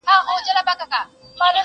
سړي وویل راغلی مسافر یم,